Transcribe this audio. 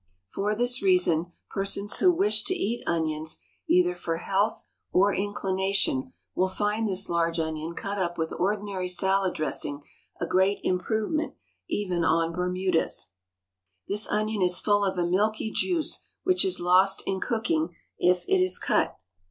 For this reason persons who wish to eat onions, either for health or inclination, will find this large onion cut up with ordinary salad dressing a great improvement even on Bermudas. This onion is full of a milky juice, which is lost in cooking if it is cut.